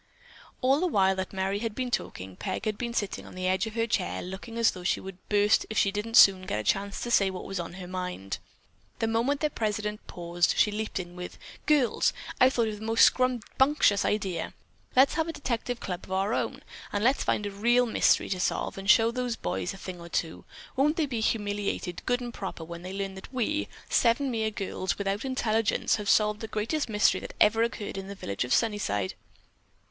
'" All the while that Merry had been talking, Peg had been sitting on the edge of her chair looking as though she would burst if she didn't soon get a chance to say what was on her mind. The moment their president paused, she leaped in with: "Girls, I've thought of the most scrumbunctious idea! Let's have a detective club of our own, and let's find a real mystery to solve and show those boys a thing or two. Won't they be humiliated, good and proper, when they learn that we, seven mere girls, without intelligence, have solved the greatest mystery that ever occurred in the village of Sunnyside."